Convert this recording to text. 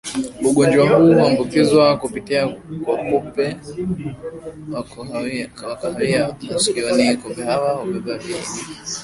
Ugonjwa huu huambukizwa kupitia kwa kupe wa kahawia wa masikioni Kupe hawa hubeba viini